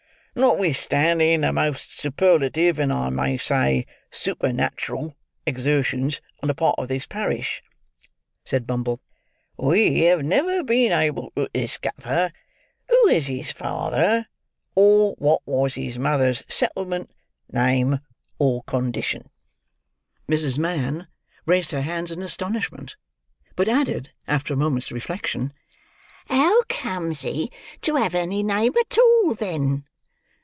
Notwithstanding the most superlative, and, I may say, supernat'ral exertions on the part of this parish," said Bumble, "we have never been able to discover who is his father, or what was his mother's settlement, name, or condition." Mrs. Mann raised her hands in astonishment; but added, after a moment's reflection, "How comes he to have any name at all, then?"